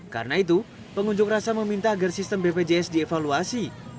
karena itu pengunjuk rasa meminta agar sistem bpjs dievaluasi